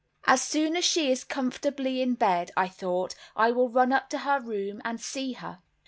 As soon as she is comfortably in bed, I thought, I will run up to her room and see her.